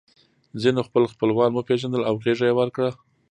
ځینو خپل خپلوان وپېژندل او غېږه یې ورکړه